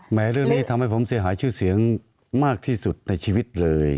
เรื่องนี้ทำให้ผมเสียหายชื่อเสียงมากที่สุดในชีวิตเลย